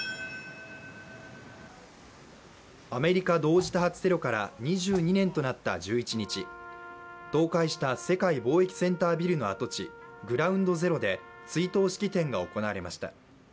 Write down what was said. アメリカ同時多発テロから２２年となった１１日、倒壊した世界貿易センタービルの跡地グラウンド・ゼロで追悼式典が行われました。